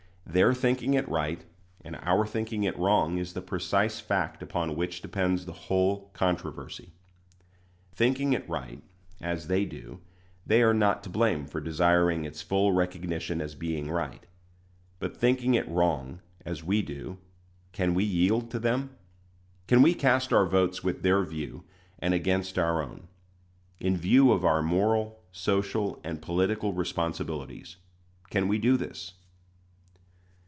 Their thinking it right and our thinking it wrong is the precise fact upon which depends the whole controversy. Thinking it right, as they do, they are not to blame for desiring its full recognition as being right; but thinking it wrong, as we do, can we yield to them? Can we cast our votes with their view, and against our own? In view of our moral, social, and political responsibilities, can we do this?